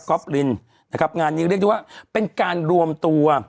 ก๊อปลินงานนี้เรียกได้ว่าเป็นการรวมตัว